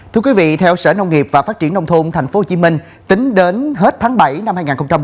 thưa quý vị theo sở nông nghiệp và phát triển nông thôn tp hcm tính đến hết tháng bảy năm hai nghìn hai mươi